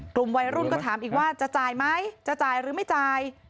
กลุ่มวัยรุ่นก็ถามอีกว่าจะจ่ายไหมจะจ่ายหรือไม่จ่าย